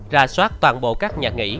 ra soát toàn bộ các nhà nghỉ